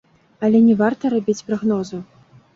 Але не варта рабіць прагнозаў.